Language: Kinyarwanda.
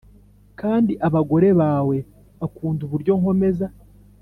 kandi abagore bawe bakunda uburyo nkomeza